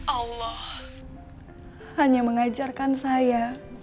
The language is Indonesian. allah hanya mengajarkan saya